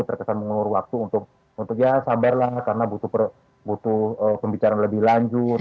terkesan mengulur waktu untuk ya sabarlah karena butuh pembicaraan lebih lanjut